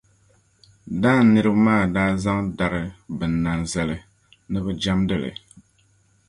Dan niriba maa daa zaŋ dari binnani zali ni bɛ jɛmdi li.